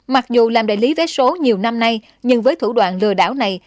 mặc dù làm đại lý vé số nhiều năm nay nhưng với thủ đoạn lừa đảo này